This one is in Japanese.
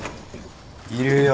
いるよ。